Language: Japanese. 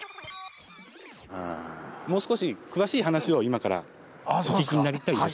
もう少し詳しい話を今からお聞きになりたいですよね？